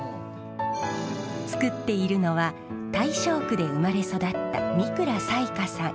作っているのは大正区で生まれ育った三倉彩果さん。